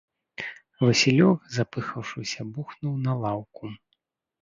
Васілёк, запыхаўшыся, бухнуў на лаўку.